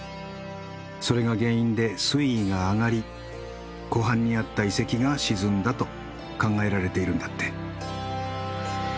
それが原因で水位が上がり湖畔にあった遺跡が沈んだと考えられているんだって。